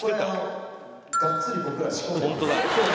ホントだ。